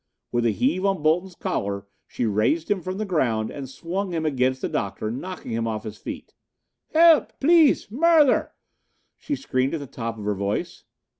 With a heave on Bolton's collar she raised him from the ground and swung him against the Doctor, knocking him off his feet. "Hilp! P'lice! Murther!" she screamed at the top of her voice.